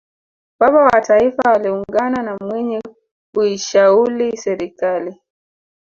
baba wa taifa aliungana na mwinyi kuishauli serikali